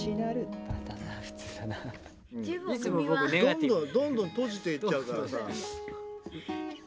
・どんどんどんどん閉じていっちゃうからさ。